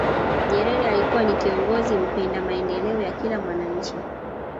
nyerere alikuwa ni kiongozi mpenda maendeleo ya kila mwananchi